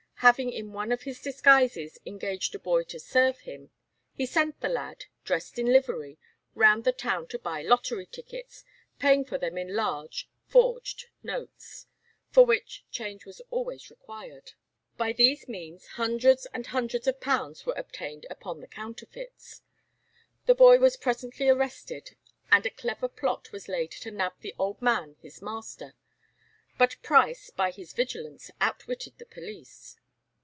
Having in one of his disguises engaged a boy to serve him, he sent the lad, dressed in livery, round the town to buy lottery tickets, paying for them in large (forged) notes, for which change was always required. By these means hundreds and hundreds of pounds were obtained upon the counterfeits. The boy was presently arrested, and a clever plot was laid to nab the old man his master, but Price by his vigilance outwitted the police.